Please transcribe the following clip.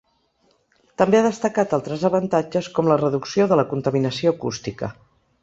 També ha destacat altres avantatges com la reducció de la contaminació acústica.